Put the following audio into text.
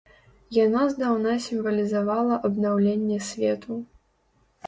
Яно здаўна сімвалізавала абнаўленне свету.